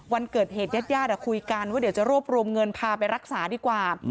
วันเกิดเหตุญาติญาติคุยกันว่าเดี๋ยวจะรวบรวมเงินพาไปรักษาดีกว่า